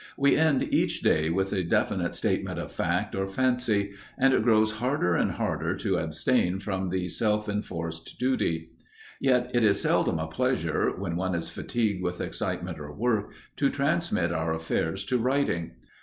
We end each day with a definite statement of fact or fancy, and it grows harder and harder to abstain from the self enforced duty. Yet it is seldom a pleasure, when one is fatigued with excitement or work, to transmit our affairs to writing.